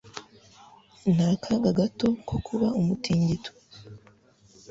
Nta kaga gato ko kuba umutingito.